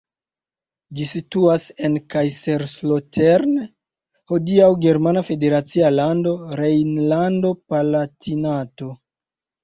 Ĝi situas en Kaiserslautern, hodiaŭ germana federacia lando Rejnlando-Palatinato.